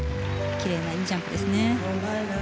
奇麗ないいジャンプですね。